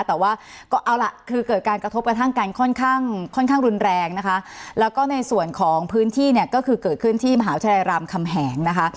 แต่ว่าก็เอาล่ะคือเกิดการกระทบกระทั่งกันค่อนข้างค่อนข้างรุนแรงนะคะแล้วก็ในส่วนของพื้นที่เนี่ยก็คือเกิดขึ้นที่มหาวิทยาลัยรามคำแหงนะคะ